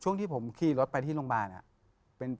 ช่วงที่ผมขี่รถไปที่โรงพยาบาลเนี่ย